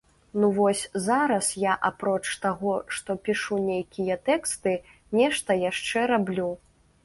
Ну вось зараз я апроч таго, што пішу нейкія тэксты, нешта яшчэ раблю.